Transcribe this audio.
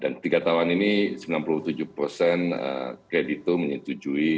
dan tiga tawaran ini sembilan puluh tujuh kredit itu menyetujui